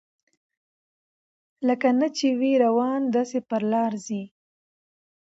لکه نه چي وي روان داسي پر لار ځي